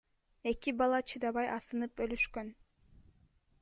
Эки бала чыдабай асынып өлүшкөн.